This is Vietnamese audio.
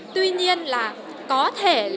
tuy nhiên là có thể